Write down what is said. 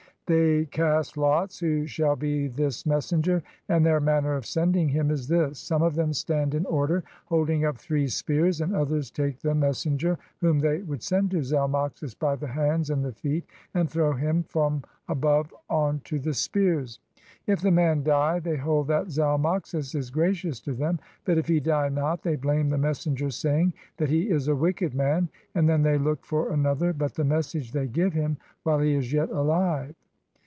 They cast lots who shall be this messenger; and their manner of sending him is this. Some of them stand in order holding up three spears; and others take the mes senger whom they would send to Zalmoxis by the hands and the feet, and throw him from above on to the spears. If the man die they hold that Zalmoxis is gracious to them; but if he die not, they blame the messenger, say ing that he is a wicked man; and then they look for another. But the message they give liim while he is yet aHve.